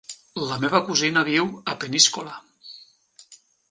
La meva cosina viu a Peníscola.